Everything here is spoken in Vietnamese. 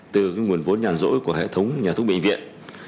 từ nguồn vốn nhàn rỗi của hệ thống nhà thuốc bệnh viện